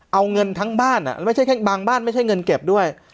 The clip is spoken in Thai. เอาเงินทั้งบ้านไม่ใช่แค่บางบ้านไม่ใช่เงินเก็บด้วย